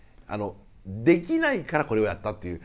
できないからこれをやったっていう。